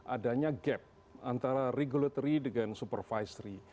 adanya gap antara regulatory dengan supervisory